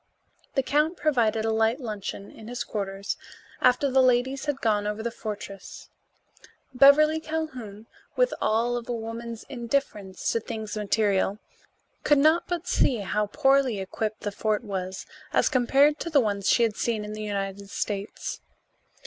The count provided a light luncheon in his quarters after the ladies had gone over the fortress. Beverly Calhoun, with all of a woman's indifference to things material, could not but see how poorly equipped the fort was as compared to the ones she had seen in the United States.